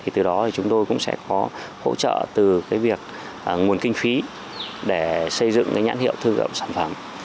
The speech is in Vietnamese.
từ đó chúng tôi cũng sẽ có hỗ trợ từ việc nguồn kinh phí để xây dựng nhãn hiệu thương hiệu sản phẩm